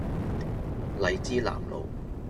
荔枝南路